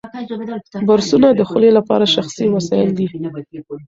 برسونه د خولې لپاره شخصي وسایل دي.